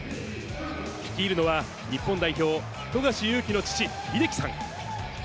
率いるのは、日本代表、富樫勇樹の父、英樹さん。